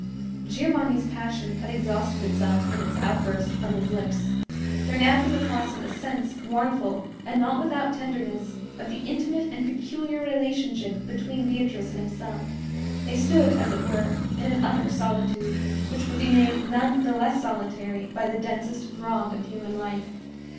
Giovanni's passion had exhausted itself in its outburst from his lips. There now came across him a sense, mournful, and not without tenderness, of the intimate and peculiar relationship between Beatrice and himself. They stood, as it were, in an utter solitude, which would be made none the less solitary by the densest throng of human life.